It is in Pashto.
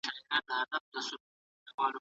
هندوستان ته مالونه په سختۍ ځي.